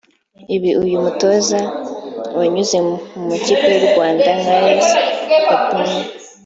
Ibi uyu mutoza wanyuze mu makipe yo mu Rwanda nka Les Citadins